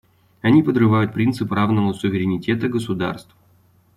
Они подрывают принцип равного суверенитета государств.